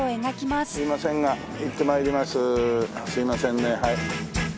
すいませんねはい。